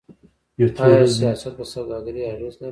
آیا سیاست په سوداګرۍ اغیز لري؟